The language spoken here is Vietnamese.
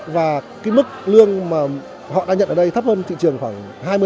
và cái mức lương mà họ đang nhận ở đây thấp hơn thị trường khoảng hai mươi ba mươi